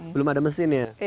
belum ada mesin ya